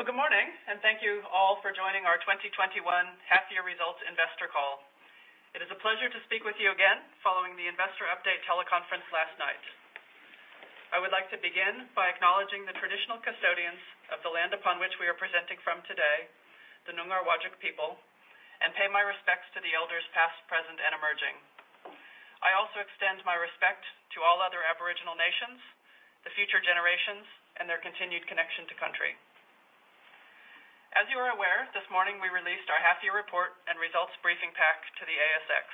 Well, good morning, and thank you all for joining our 2021 half-year results investor call. It is a pleasure to speak with you again following the investor update teleconference last night. I would like to begin by acknowledging the traditional custodians of the land upon which we are presenting from today, the Noongar Whadjuk people, and pay my respects to the elders past, present, and emerging. I also extend my respect to all other Aboriginal nations, the future generations, and their continued connection to country. As you are aware, this morning we released our half-year report and results briefing pack to the ASX.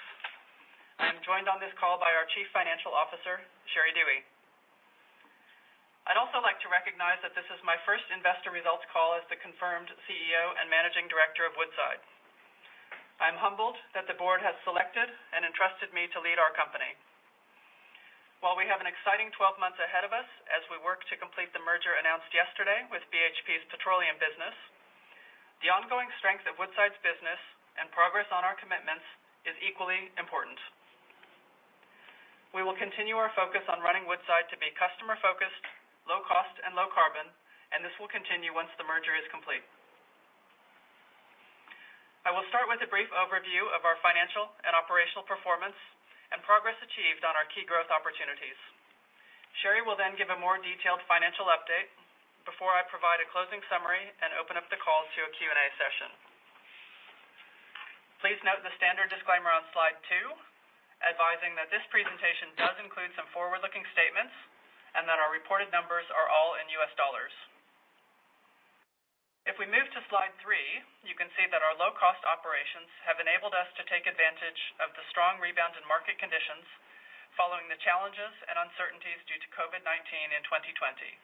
I'm joined on this call by our Chief Financial Officer, Sherry Duhe. I'd also like to recognize that this is my first investor results call as the confirmed CEO and Managing Director of Woodside. I'm humbled that the board has selected and entrusted me to lead our company. While we have an exciting 12 months ahead of us as we work to complete the merger announced yesterday with BHP's petroleum business, the ongoing strength of Woodside's business and progress on our commitments is equally important. We will continue our focus on running Woodside to be customer-focused, low cost and low carbon, and this will continue once the merger is complete. I will start with a brief overview of our financial and operational performance and progress achieved on our key growth opportunities. Sherry will give a more detailed financial update before I provide a closing summary and open up the call to a Q&A session. Please note the standard disclaimer on slide two, advising that this presentation does include some forward-looking statements and that our reported numbers are all in U.S. dollars. If we move to slide three, you can see that our low-cost operations have enabled us to take advantage of the strong rebound in market conditions following the challenges and uncertainties due to COVID-19 in 2020.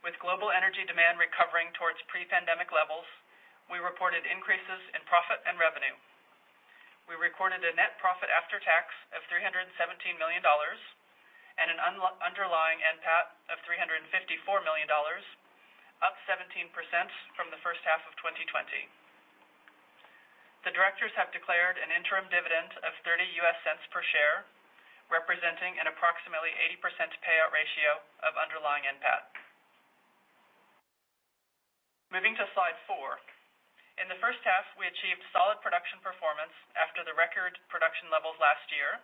With global energy demand recovering towards pre-pandemic levels, we reported increases in profit and revenue. We recorded a net profit after tax of $317 million and an underlying NPAT of $354 million, up 17% from the first half of 2020. The directors have declared an interim dividend of $0.30 per share, representing an approximately 80% payout ratio of underlying NPAT. Moving to slide four. In the first half, we achieved solid production performance after the record production levels last year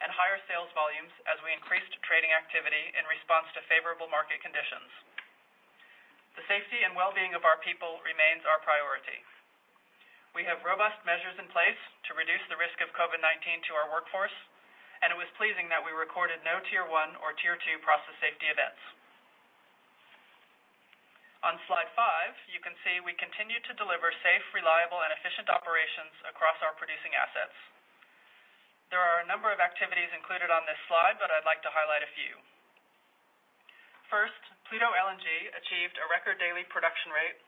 and higher sales volumes as we increased trading activity in response to favorable market conditions. The safety and wellbeing of our people remains our priority. We have robust measures in place to reduce the risk of COVID-19 to our workforce, and it was pleasing that we recorded no Tier 1 or Tier 2 process safety events. On slide five, you can see we continued to deliver safe, reliable, and efficient operations across our producing assets. There are a number of activities included on this slide, but I'd like to highlight a few. First, Pluto LNG achieved a record daily production rate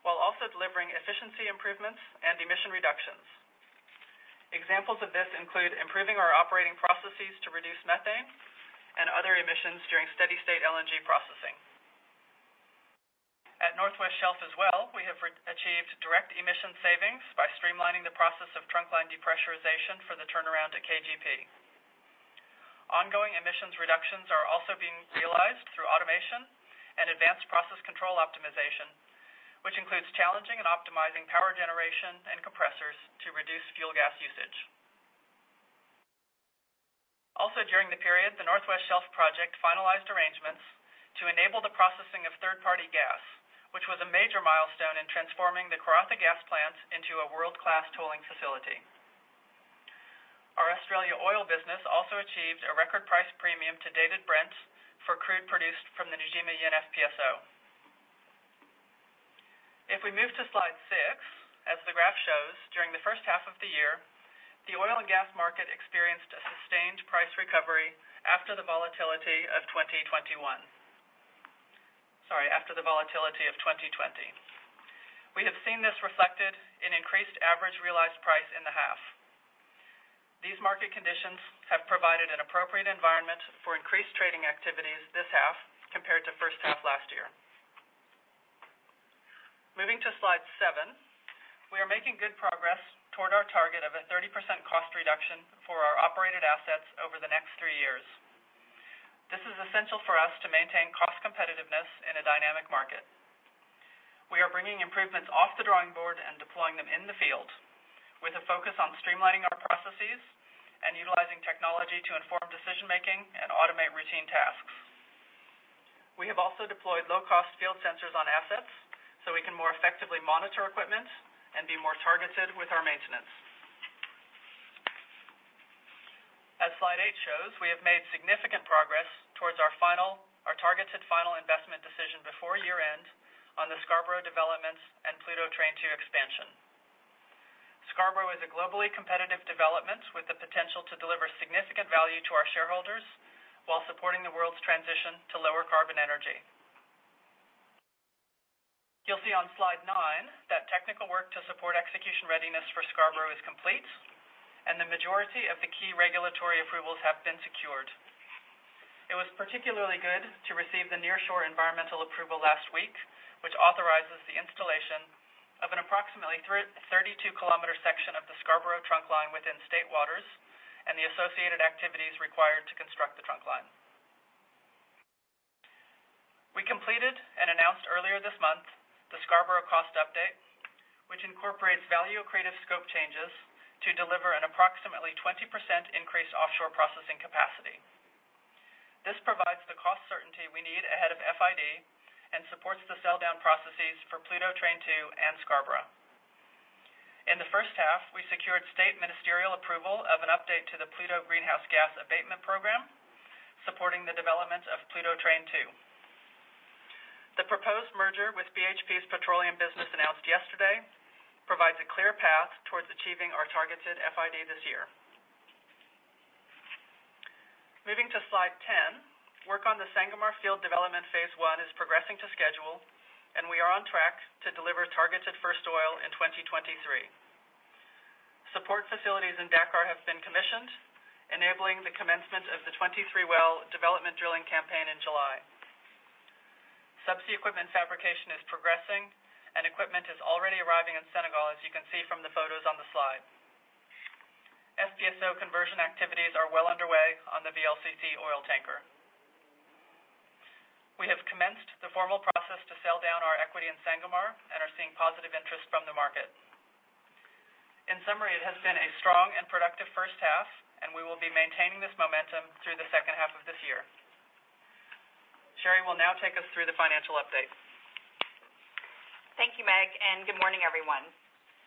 while also delivering efficiency improvements and emission reductions. Examples of this include improving our operating processes to reduce methane and other emissions during steady-state LNG processing. At North West Shelf as well, we have achieved direct emission savings by streamlining the process of trunkline depressurization for the turnaround at KGP. Ongoing emissions reductions are also being realized through automation and advanced process control optimization, which includes challenging and optimizing power generation and compressors to reduce fuel gas usage. Also, during the period, the North West Shelf Project finalized arrangements to enable the processing of third-party gas, which was a major milestone in transforming the Karratha Gas Plant into a world-class tolling facility. Our Australia Oil business also achieved a record price premium to Dated Brent for crude produced from the Ngujima-Yin FPSO. If we move to slide six, as the graph shows, during the first half of the year, the oil and gas market experienced a sustained price recovery after the volatility of 2021. Sorry, after the volatility of 2020. We have seen this reflected in increased average realized price in the half. These market conditions have provided an appropriate environment for increased trading activities this half compared to first half last year. Moving to slide seven. We are making good progress toward our target of a 30% cost reduction for our operated assets over the next three years. This is essential for us to maintain cost competitiveness in a dynamic market. We are bringing improvements off the drawing board and deploying them in the field with a focus on streamlining our processes and utilizing technology to inform decision-making and automate routine tasks. We have also deployed low-cost field sensors on assets so we can more effectively monitor equipment and be more targeted with our maintenance. As slide eight shows, we have made significant progress towards our targeted final investment decision before year-end on the Scarborough developments and Pluto Train 2 expansion. Scarborough is a globally competitive development with the potential to deliver significant value to our shareholders while supporting the world's transition to lower carbon energy. You'll see on slide nine that technical work to support execution readiness for Scarborough is complete, and the majority of the key regulatory approvals have been secured. It was particularly good to receive the nearshore environmental approval last week, which authorizes the installation of an approximately 32 km section of the Scarborough Trunkline within state waters, and the associated activities required to construct the trunk line. We completed and announced earlier this month the Scarborough cost update, which incorporates value-accretive scope changes to deliver an approximately 20% increased offshore processing capacity. This provides the cost certainty we need ahead of FID and supports the sell-down processes for Pluto Train 2 and Scarborough. In the first half, we secured state ministerial approval of an update to the Pluto Greenhouse Gas Abatement Program, supporting the development of Pluto Train 2. The proposed merger with BHP's petroleum business announced yesterday provides a clear path towards achieving our targeted FID this year. Moving to Slide 10, work on the Sangomar Field Development Phase 1 is progressing to schedule, and we are on track to deliver targeted first oil in 2023. Support facilities in Dakar have been commissioned, enabling the commencement of the 23-well development drilling campaign in July. Subsea equipment fabrication is progressing, and equipment is already arriving in Senegal, as you can see from the photos on the slide. FPSO conversion activities are well underway on the VLCC oil tanker. We have commenced the formal process to sell down our equity in Sangomar and are seeing positive interest from the market. In summary, it has been a strong and productive first half, and we will be maintaining this momentum through the second half of this year. Sherry will now take us through the financial update. Thank you, Meg. Good morning, everyone.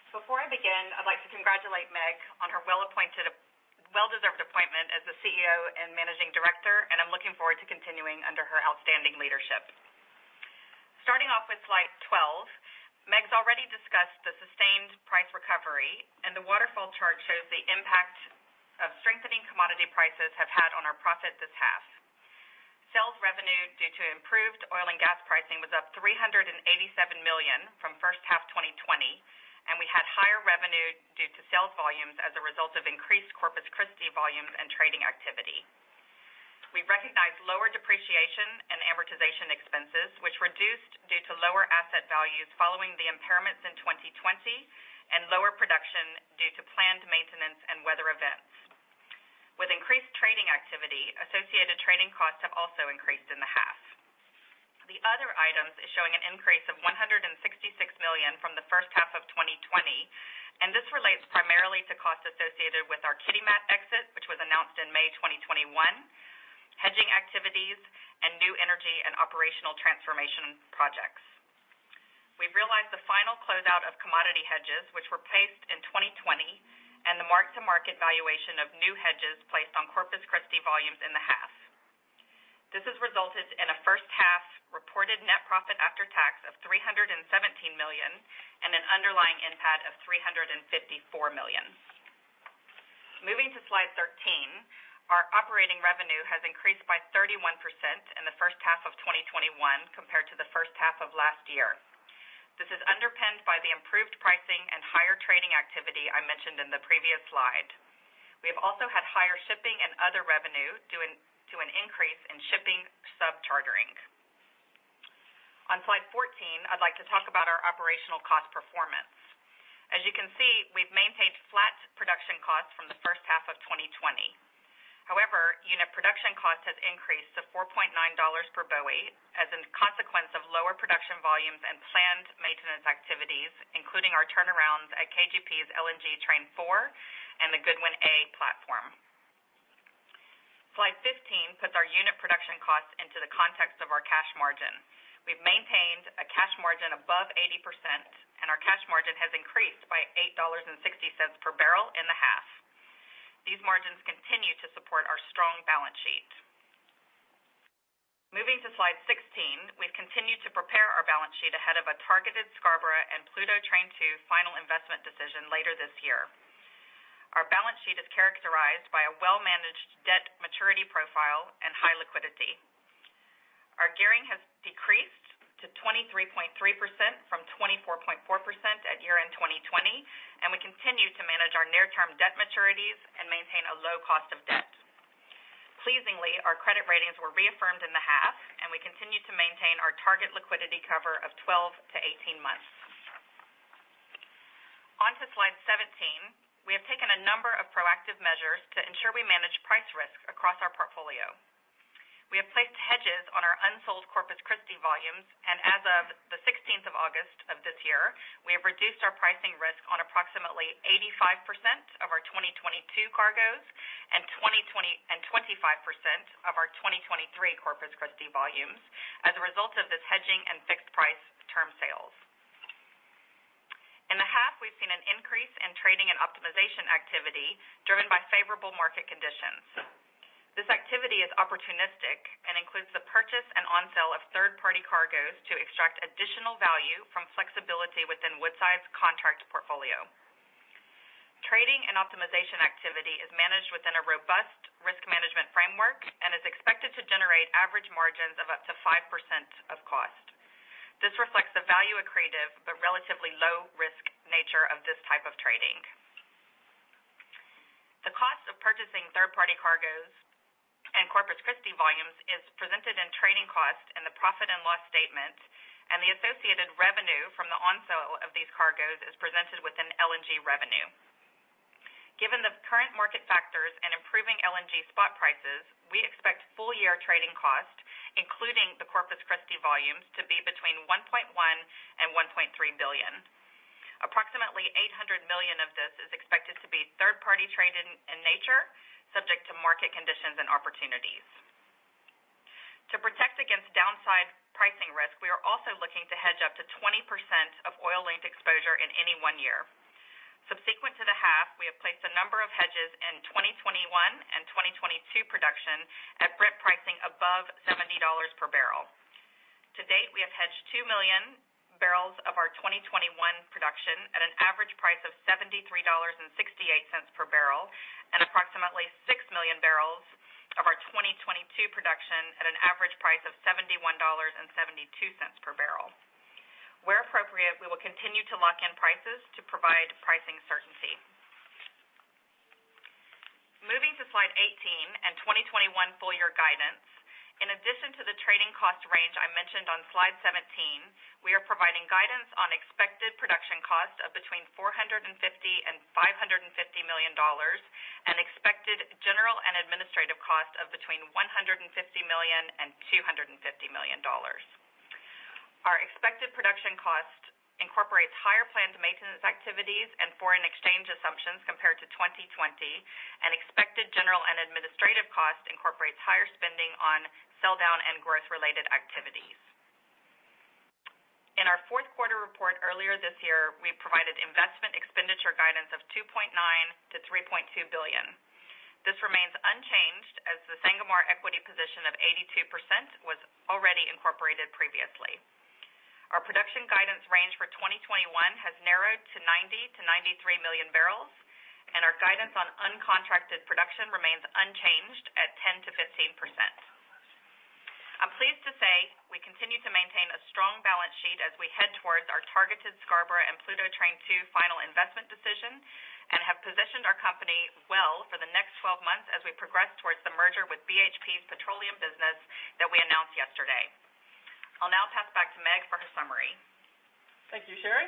Before I begin, I'd like to congratulate Meg on her well-deserved appointment as the CEO and Managing Director, and I'm looking forward to continuing under her outstanding leadership. Starting off with Slide 12, Meg's already discussed the sustained price recovery, and the waterfall chart shows the impact of strengthening commodity prices have had on our profit this half. Sales revenue due to improved oil and gas pricing was up $387 million from first half 2020, and we had higher revenue due to sales volumes as a result of increased Corpus Christi volumes and trading activity. We recognized lower depreciation and amortization expenses, which reduced due to lower asset values following the impairments in 2020 and lower production due to planned maintenance and weather events. With increased trading activity, associated trading costs have also increased in the half. The other items is showing an increase of $166 million from the first half of 2020. This relates primarily to costs associated with our Kitimat exit, which was announced in May 2021, hedging activities, and new energy and operational transformation projects. We've realized the final closeout of commodity hedges, which were placed in 2020, and the mark-to-market valuation of new hedges placed on Corpus Christi volumes in the half. This has resulted in a first half reported net profit after tax of $317 million and an underlying NPAT of $354 million. Moving to slide 13, our operating revenue has increased by 31% in the first half of 2021 compared to the first half of last year. This is underpinned by the improved pricing and higher trading activity I mentioned in the previous slide. We have also had higher shipping and other revenue due to an increase in shipping sub-chartering. On slide 14, I'd like to talk about our operational cost performance. As you can see, we've maintained flat production costs from the first half of 2020. However, unit production cost has increased to $4.90 per BOE as a consequence of lower production volumes and planned maintenance activities, including our turnarounds at KGP's LNG Train 4 and the Goodwyn A platform. Slide 15 puts our unit production costs into the context of our cash margin. We've maintained a cash margin above 80%, and our cash margin has increased by $8.60 per barrel in the half. These margins continue to support our strong balance sheet. Moving to slide 16, we've continued to prepare our balance sheet ahead of a targeted Scarborough and Pluto Train 2 final investment decision later this year. Our balance sheet is characterized by a well-managed debt maturity profile and high liquidity. Our gearing has decreased to 23.3% from 24.4% at year-end 2020, and we continue to manage our near-term debt maturities and maintain a low cost of debt. Pleasingly, our credit ratings were reaffirmed in the half, and we continue to maintain our target liquidity cover of 12-18 months. On to slide 17. We have taken a number of proactive measures to ensure we manage price risk across our portfolio. We have placed hedges on our unsold Corpus Christi volumes, and as of the 16th of August of this year, we have reduced our pricing risk on approximately 85% of our 2022 cargoes and 25% of our 2023 Corpus Christi volumes as a result of this hedging and fixed-price term sales. In the half, we've seen an increase in trading and optimization activity driven by favorable market conditions. This activity is opportunistic and includes the purchase and on-sale of third-party cargoes to extract additional value from flexibility within Woodside's contract portfolio. Trading and optimization activity is managed within a robust risk management framework and is expected to generate average margins of up to 5% of cost. This reflects the value-accretive but relatively low-risk nature of this type of trading. The cost of purchasing third-party cargoes and Corpus Christi volumes is presented in trading cost in the profit and loss statement, and the associated revenue from the on-sale of these cargoes is presented within LNG revenue. Given the current market factors and improving LNG spot prices, we expect full-year trading cost, including the Corpus Christi volumes, to be between $1.1 billion and $1.3 billion. Approximately $800 million of this is expected to be third party traded in nature, subject to market conditions and opportunities. To protect against downside pricing risk, we are also looking to hedge up to 20% of oil-linked exposure in any one year. Subsequent to the half, we have placed a number of hedges in 2021 and 2022 production at Brent pricing above $70 per barrel. To date, we have hedged 2 million barrels of our 2021 production at an average price of $73.68 per barrel and approximately 6 million barrels of our 2022 production at an average price of $71.72 per barrel. Where appropriate, we will continue to lock in prices to provide pricing certainty. Moving to slide 18 and 2021 full year guidance. In addition to the trading cost range I mentioned on slide 17, we are providing guidance on expected production costs of between $450 million and $550 million and expected general and administrative costs of between $150 million and $250 million. Our expected production cost incorporates higher planned maintenance activities and foreign exchange assumptions compared to 2020, and expected general and administrative costs incorporates higher spending on sell down and growth-related activities. In our fourth quarter report earlier this year, we provided investment expenditure guidance of $2.9 billion-$3.2 billion. This remains unchanged as the Sangomar equity position of 82% was already incorporated previously. Our production guidance range for 2021 has narrowed to 90 million-93 million barrels, and our guidance on uncontracted production remains unchanged at 10%-15%. I'm pleased to say we continue to maintain a strong balance sheet as we head towards our targeted Scarborough and Pluto Train 2 final investment decision and have positioned our company well for the next 12 months as we progress towards the merger with BHP's petroleum business that we announced yesterday. I'll now pass back to Meg for her summary. Thank you, Sherry.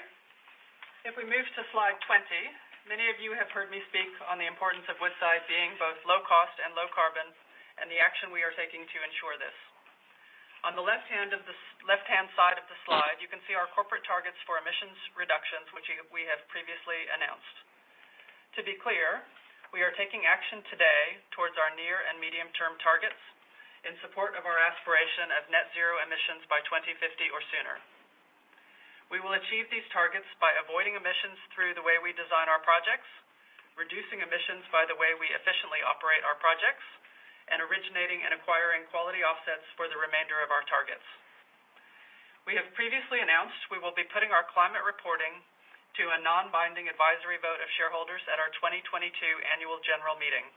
If we move to slide 20, many of you have heard me speak on the importance of Woodside being both low cost and low carbon, and the action we are taking to ensure this. On the left-hand side of the slide, you can see our corporate targets for emissions reductions, which we have previously announced. To be clear, we are taking action today towards our near- and medium-term targets in support of our aspiration of net zero emissions by 2050 or sooner. We will achieve these targets by avoiding emissions through the way we design our projects, reducing emissions by the way we efficiently operate our projects, and originating and acquiring quality offsets for the remainder of our targets. We have previously announced we will be putting our climate reporting to a non-binding advisory vote of shareholders at our 2022 annual general meeting.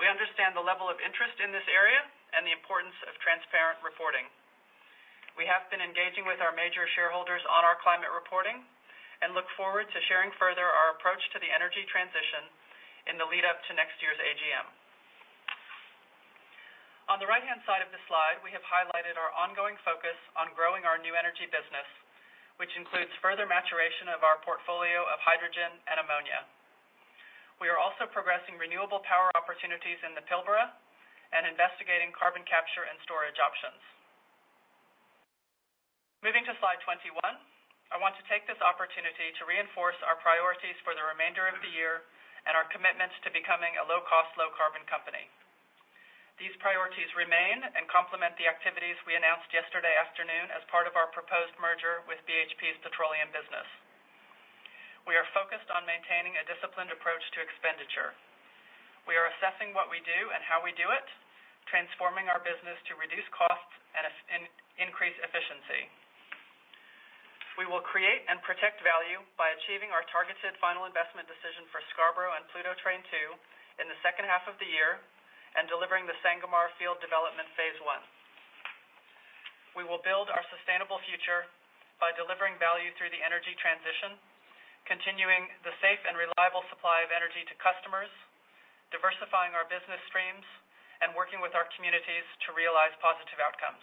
We understand the level of interest in this area and the importance of transparent reporting. We have been engaging with our major shareholders on our climate reporting and look forward to sharing further our approach to the energy transition in the lead up to next year's AGM. On the right-hand side of the slide, we have highlighted our ongoing focus on growing our new energy business, which includes further maturation of our portfolio of hydrogen and ammonia. We are also progressing renewable power opportunities in the Pilbara and investigating carbon capture and storage options. Moving to slide 21, I want to take this opportunity to reinforce our priorities for the remainder of the year and our commitments to becoming a low-cost, low-carbon company. These priorities remain and complement the activities we announced yesterday afternoon as part of our proposed merger with BHP's petroleum business. We are focused on maintaining a disciplined approach to expenditure. We are assessing what we do and how we do it, transforming our business to reduce costs and increase efficiency. We will create and protect value by achieving our targeted final investment decision for Scarborough and Pluto Train 2 in the second half of the year and delivering the Sangomar Field Development Phase 1. We will build our sustainable future by delivering value through the energy transition, continuing the safe and reliable supply of energy to customers, diversifying our business streams, and working with our communities to realize positive outcomes.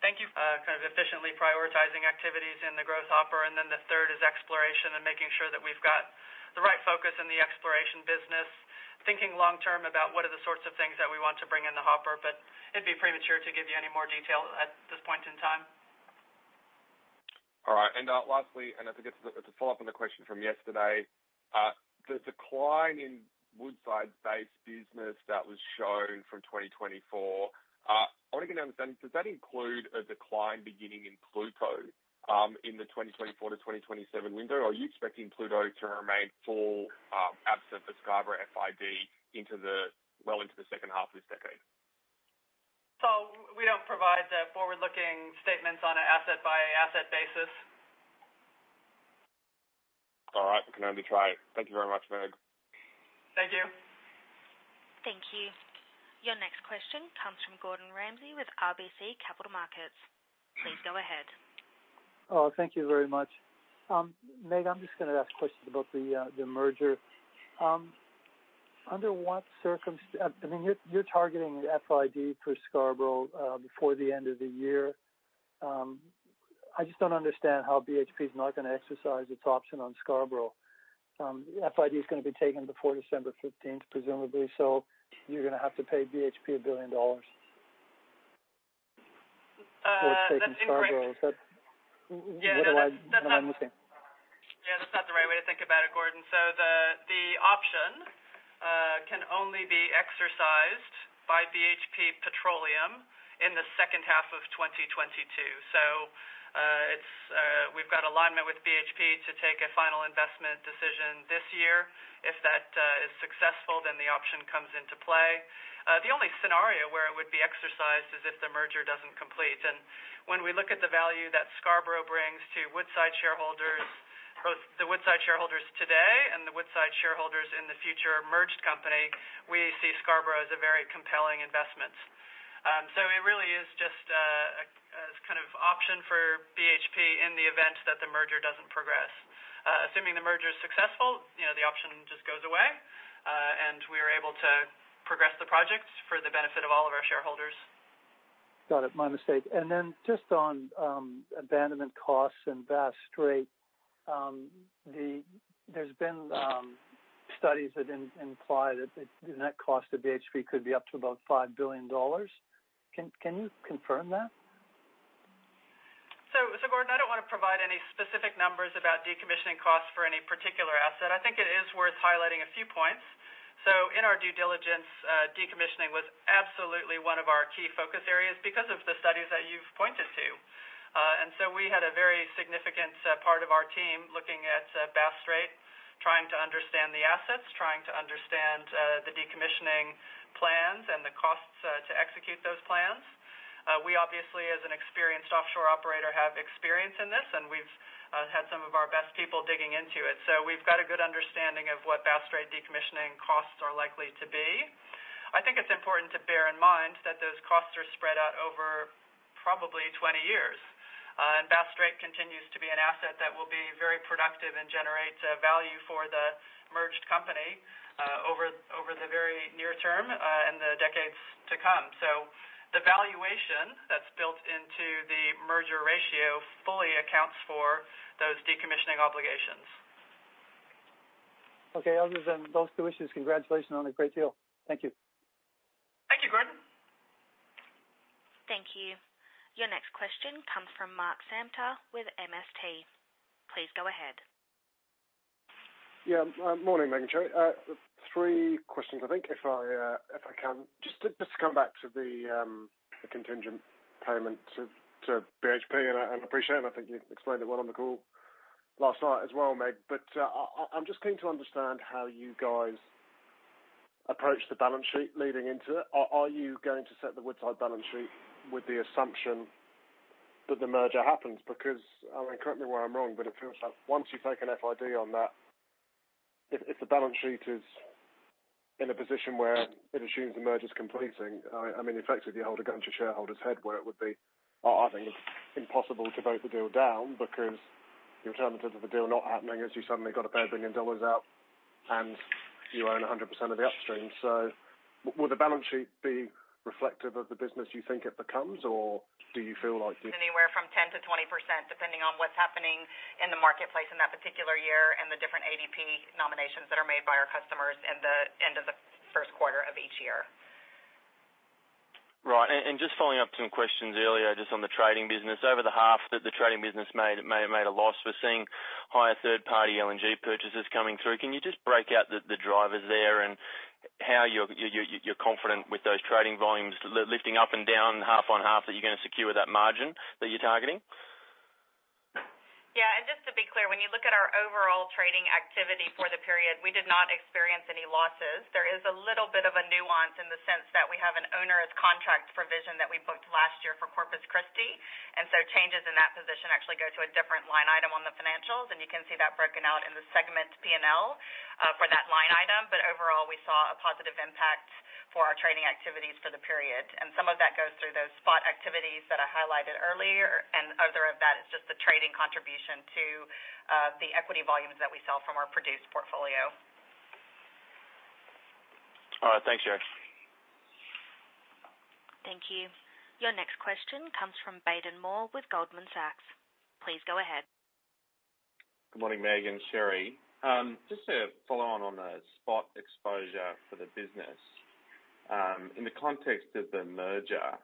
kind of efficiently prioritizing activities in the growth hopper. The third is exploration and making sure that we've got the right focus in the exploration business, thinking long-term about what are the sorts of things that we want to bring in the hopper, but it'd be premature to give you any more detail at this point in time. All right. Lastly, I think it's a follow-up on the question from yesterday. The decline in Woodside-based business that was shown from 2024, I want to get an understanding, does that include a decline beginning in Pluto in the 2024-2027 window? Are you expecting Pluto to remain full, absent the Scarborough FID well into the second half of this decade? We don't provide forward-looking statements on an asset-by-asset basis. All right. I can only try. Thank you very much, Meg. Thank you. Thank you. Your next question comes from Gordon Ramsay with RBC Capital Markets. Please go ahead. Thank you very much. Meg, I'm just going to ask questions about the merger. You're targeting FID for Scarborough before the end of the year. I just don't understand how BHP is not going to exercise its option on Scarborough. FID is going to be taken before December 15th, presumably, so you're going to have to pay BHP $1 billion. That's incorrect. Take Scarborough. What am I missing? Yeah, that's not the right way to think about it, Gordon. The option can only be exercised by BHP Petroleum in the second half of 2022. We've got alignment with BHP to take a final investment decision this year. If that is successful, then the option comes into play. The only scenario where it would be exercised is if the merger doesn't complete. When we look at the value that Scarborough brings to Woodside shareholders, both the Woodside shareholders today and the Woodside shareholders in the future merged company, we see Scarborough as a very compelling investment. It really is just a kind of option for BHP in the event that the merger doesn't progress. Assuming the merger is successful, the option just goes away, and we are able to progress the project for the benefit of all of our shareholders. Got it. My mistake. Just on abandonment costs and Bass Strait, there's been studies that imply that the net cost of BHP could be up to about $5 billion. Can you confirm that? Gordon, I don't want to provide any specific numbers about decommissioning costs for any particular asset. I think it is worth highlighting a few points. In our due diligence, decommissioning was absolutely one of our key focus areas because of the studies that you've pointed to. We had a very significant part of our team looking at Bass Strait, trying to understand the assets, trying to understand the decommissioning plans and the costs to execute those plans. We obviously, as an experienced offshore operator, have experience in this, and we've had some of our best people digging into it. We've got a good understanding of what Bass Strait decommissioning costs are likely to be. I think it's important to bear in mind that those costs are spread out over probably 20 years. Bass Strait continues to be an asset that will be very productive and generate value for the merged company over the very near term, and the decades to come. The valuation that's built into the merger ratio fully accounts for those decommissioning obligations. Other than those two issues, congratulations on a great deal. Thank you. Thank you, Gordon. Thank you. Your next question comes from Mark Samter with MST. Please go ahead. Yeah. Morning, Meg, Sherry. Three questions, I think, if I can. Just to come back to the contingent payment to BHP, and I appreciate, and I think you explained it well on the call last night as well, Meg, but I'm just keen to understand how you guys approach the balance sheet leading into it. Are you going to set the Woodside balance sheet with the assumption that the merger happens? Correct me where I'm wrong, but it feels like once you take an FID on that, if the balance sheet is in a position where it assumes the merger's completing, effectively you hold a gun to shareholders' head where it would be, I think, impossible to vote the deal down, because the alternative of the deal not happening is you suddenly got $1 billion out and you own 100% of the upstream. Would the balance sheet be reflective of the business you think it becomes? Anywhere from 10% to 20%, depending on what's happening in the marketplace in that particular year and the different ADP nominations that are made by our customers in the end of the first quarter of each year. Right. Just following up some questions earlier just on the trading business. Over the half that the trading business may have made a loss, we're seeing higher third-party LNG purchases coming through. Can you just break out the drivers there and how you're confident with those trading volumes lifting up and down half on half that you're going to secure that margin that you're targeting? Yeah. Just to be clear, when you look at our overall trading activity for the period, we did not experience any losses. There is a little bit of a nuance in the sense that we have an onerous contract provision that we booked last year for Corpus Christi, changes in that position actually go to a different line item on the financials, and you can see that broken out in the segment P&L for that line item. Overall, we saw a positive impact for our trading activities for the period. Some of that goes through those spot activities that I highlighted earlier, and other of that is just the trading contribution to the equity volumes that we sell from our produced portfolio. All right. Thanks, Sherry. Thank you. Your next question comes from Baden Moore with Goldman Sachs. Please go ahead. Good morning, Meg and Sherry. Just a follow-on on the spot exposure for the business. In the context of the merger,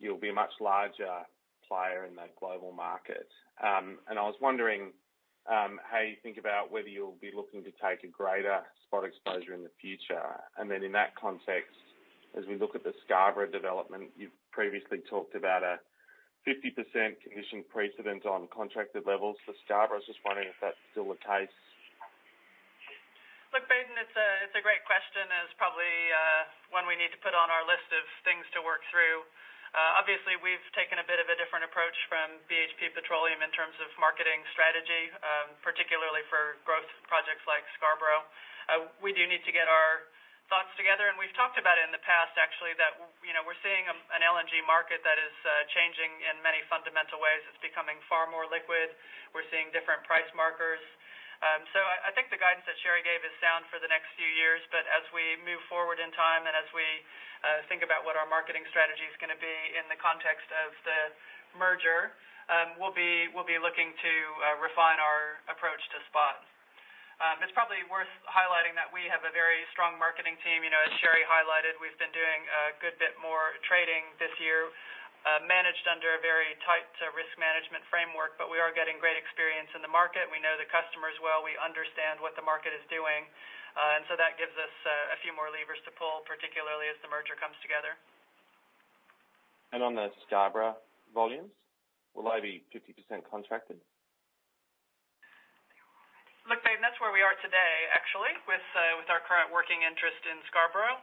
you'll be a much larger player in that global market. I was wondering how you think about whether you'll be looking to take a greater spot exposure in the future. Then in that context, as we look at the Scarborough development, you've previously talked about a 50% conditioning precedent on contracted levels for Scarborough. I was just wondering if that's still the case. Look, Baden, it's a great question, and it's probably one we need to put on our list of things to work through. Obviously, we've taken a bit of a different approach from BHP Petroleum in terms of marketing strategy, particularly for projects like Scarborough. We do need to get our thoughts together, and we've talked about it in the past, actually, that we're seeing an LNG market that is changing in many fundamental ways. It's becoming far more liquid. We're seeing different price markers. I think the guidance that Sherry gave is sound for the next few years. As we move forward in time and as we think about what our marketing strategy is going to be in the context of the merger, we'll be looking to refine our approach to spot. It's probably worth highlighting that we have a very strong marketing team. As Sherry highlighted, we've been doing a good bit more trading this year, managed under a very tight risk management framework, we are getting great experience in the market. We know the customers well. We understand what the market is doing. That gives us a few more levers to pull, particularly as the merger comes together. On the Scarborough volumes, will they be 50% contracted? Look, Baden, that's where we are today, actually, with our current working interest in Scarborough,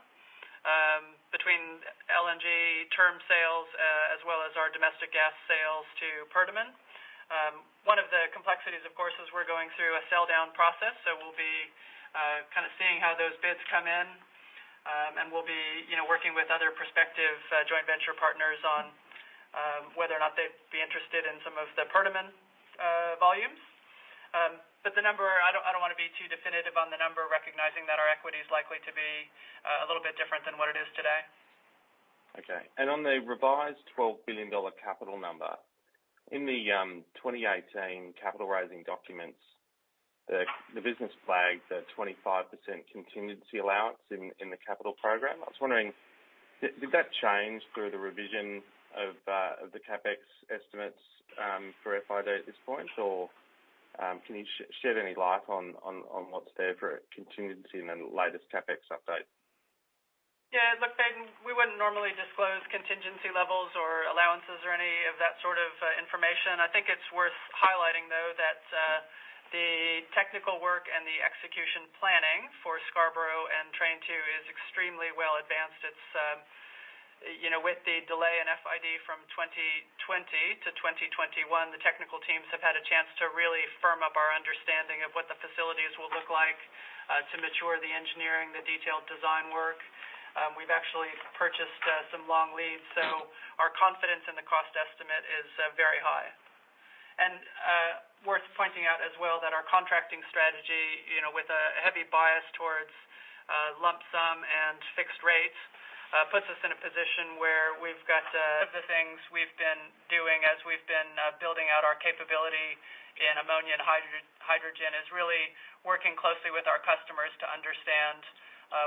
between LNG term sales, as well as our domestic gas sales to Perdaman. One of the complexities, of course, is we're going through a sell-down process, so we'll be seeing how those bids come in, and we'll be working with other prospective joint venture partners on whether or not they'd be interested in some of the Perdaman volumes. The number, I don't want to be too definitive on the number, recognizing that our equity is likely to be a little bit different than what it is today. Okay. On the revised $12 billion capital number, in the 2018 capital raising documents, the business flagged a 25% contingency allowance in the capital program. I was wondering, did that change through the revision of the CapEx estimates for FID at this point, or can you shed any light on what's there for a contingency in the latest CapEx update? Look, Baden, we wouldn't normally disclose contingency levels or allowances or any of that sort of information. I think it's worth highlighting, though, that the technical work and the execution planning for Scarborough and Train 2 is extremely well advanced. With the delay in FID from 2020 to 2021, the technical teams have had a chance to really firm up our understanding of what the facilities will look like to mature the engineering, the detailed design work. We've actually purchased some long leads, our confidence in the cost estimate is very high. Worth pointing out as well that our contracting strategy with a heavy bias towards lump sum and fixed rates, puts us in a position where we've got of the things we've been doing as we've been building out our capability in ammonia and hydrogen, is really working closely with our customers to understand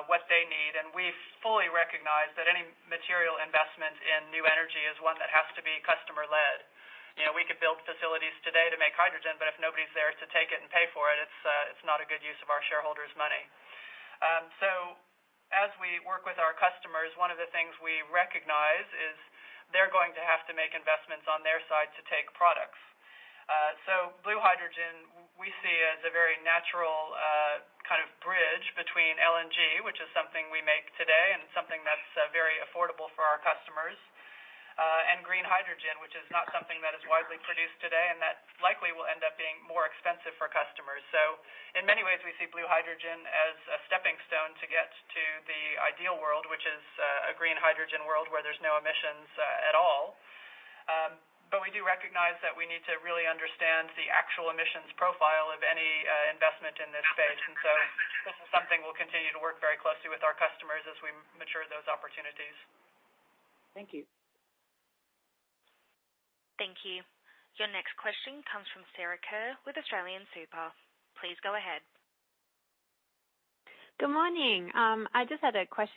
what they need. We fully recognize that any material investment in new energy is one that has to be customer-led. We could build facilities today to make hydrogen, but if nobody's there to take it and pay for it's not a good use of our shareholders' money. As we work with our customers, one of the things we recognize is they're going to have to make investments on their side to take products. Blue hydrogen, we see as a very natural kind of bridge between LNG, which is something we make today, and something that's very affordable for our customers, and green hydrogen, which is not something that is widely produced today, and that likely will end up being more expensive for customers. In many ways, we see blue hydrogen as a stepping stone to get to the ideal world, which is a green hydrogen world where there's no emissions at all. We do recognize that we need to really understand the actual emissions profile of any investment in this space. This is something we'll continue to work very closely with our customers as we mature those opportunities. Thank you. Thank you. Your next question comes from Sarah Kerr with AustralianSuper. Please go ahead. Good morning. I just had a question-